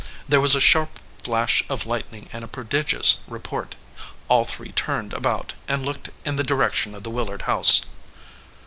There was a sharp flash of lightning and a prodigious report. All three turned about and looked in the direction of the Willard house.